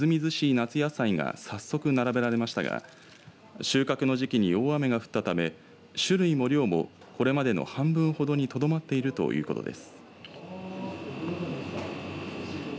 夏野菜が早速並べられましたが収穫の時期に大雨が降ったため種類も量もこれまでの半分ほどにとどまっているということです。